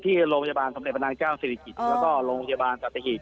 ที่โรงพยาบาลสำเร็จพนักจ้าวศิริกิจแล้วก็โรงพยาบาลกัศศิษย์